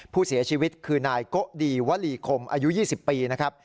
ผู้เสียชีวิตคือนายโกดีวลีคมอายุ๒๐ปีนะครับ